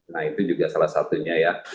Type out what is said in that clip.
nah itu juga salah satunya ya